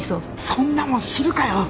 そんなもん知るかよ。